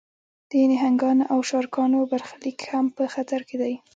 د نهنګانو او شارکانو برخلیک هم په خطر کې دی.